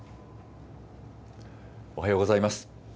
おはようございます。